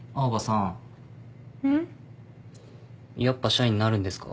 んっ？やっぱ社員なるんですか？